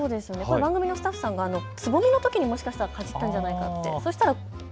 番組のスタッフさんがつぼみのときにもしかしたらかじったんじゃないかって。